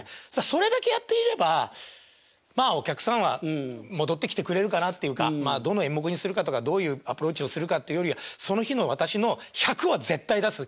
それだけやっていればまあお客さんは戻ってきてくれるかなっていうかどの演目にするかとかどういうアプローチをするかっていうよりはその日の私の１００は絶対に出す。